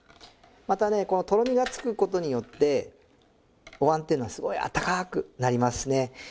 またねこのとろみがつく事によってお椀っていうのはすごい温かくなりますしね。